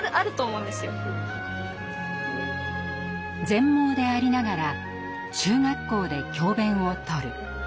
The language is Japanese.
全盲でありながら中学校で教べんをとる。